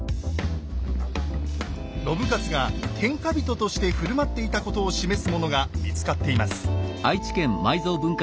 信雄が天下人として振る舞っていたことを示すものが見つかっています。